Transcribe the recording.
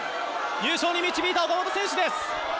優勝に導いた岡本選手です。